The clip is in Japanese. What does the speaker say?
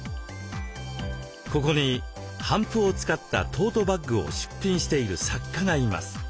ここに帆布を使ったトートバッグを出品している作家がいます。